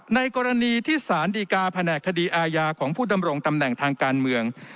ในกรณีที่สารดีกาแผนกคดีอาญาของผู้ดำรงตำแหน่งทางการเมือง